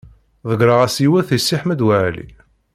Ḍeyyreɣ-as yiwet i Si Ḥmed Waɛli.